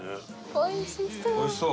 おいしそう。